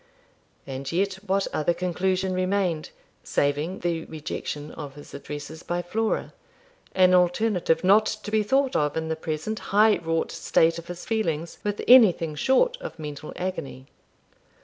And yet what other conclusion remained, saving the rejection of his addresses by Flora, an alternative not to be thought of in the present high wrought state of his feelings with anything short of mental agony.